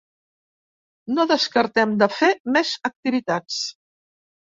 No descartem de fer més activitats.